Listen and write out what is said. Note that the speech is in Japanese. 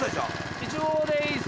イチゴがいいです。